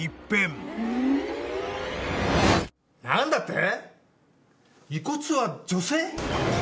何だって！？